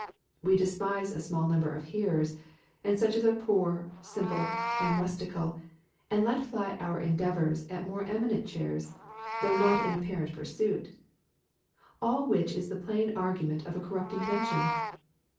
We despise a small number of hearers, and such as are poor, simple, and rustical, and let fly our endeavours at more eminent chairs, though not in apparent pursuit; all which is the plain argument of a corrupt intention.